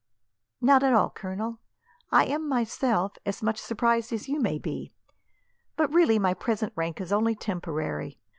"Not at all, Colonel. I am, myself, as much surprised at it as you may be. But, really, my present rank is only temporary.